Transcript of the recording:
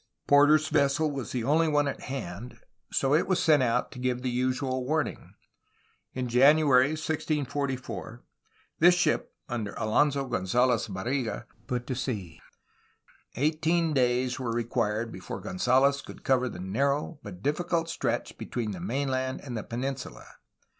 Porter^s vessel was the only one at hand ; so it was sent out to give the usual warning. In January 1644, this ship, under Alonso Gonzalez Barriga, put to sea. Eighteen days were required before Gonzalez could cover the narrow but difficult stretch between the mainland and the peninsula.